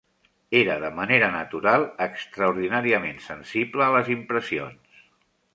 Era de manera natural extraordinàriament sensible a les impressions.